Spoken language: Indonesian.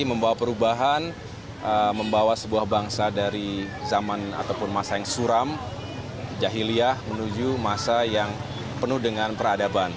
membawa perubahan membawa sebuah bangsa dari zaman ataupun masa yang suram jahiliyah menuju masa yang penuh dengan peradaban